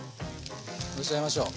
のせちゃいましょう。